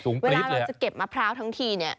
เวลาเราจะเก็บมะพร้าวทั้งทีเนี่ย